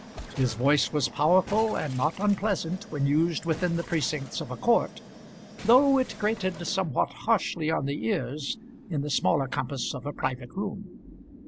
His voice was powerful, and not unpleasant when used within the precincts of a court, though it grated somewhat harshly on the ears in the smaller compass of a private room.